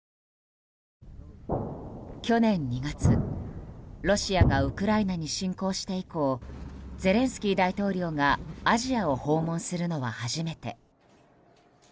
去年２月、ロシアがウクライナに侵攻して以降ゼレンスキー大統領がアジアを訪問するのは初めて。